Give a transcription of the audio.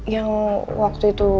yang waktu itu